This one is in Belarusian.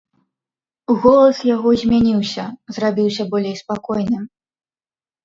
Голас яго змяніўся, зрабіўся болей спакойным.